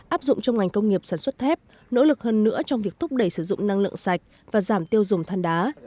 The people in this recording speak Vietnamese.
áp dụng trong ngành công nghiệp sản xuất thép nỗ lực hơn nữa trong việc thúc đẩy sử dụng năng lượng sạch và giảm tiêu dùng than đá